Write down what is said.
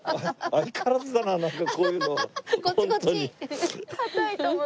相変わらずだななんかこういうのホントに。